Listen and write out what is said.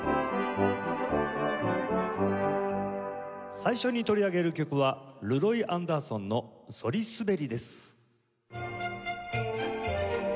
最初に取り上げる曲はルロイ・アンダーソンの『そりすべり』です。